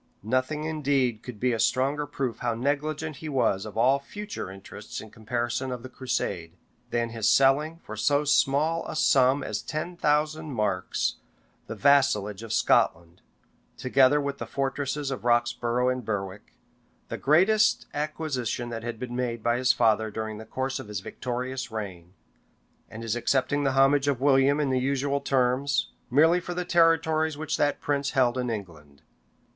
[] Nothing indeed could be a stronger proof how negligent he was of all future interests in comparison of the crusade, than his selling, for so small a sum as ten thousand marks, the vassalage of Scotland, together with the fortresses of Roxborough and Berwick, the greatest acquisition that had been made by his father during the course of his victorious reign; and his accepting the homage of William in the usual terms, merely for the territories which that prince held in England.